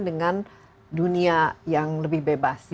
dengan dunia yang lebih bebas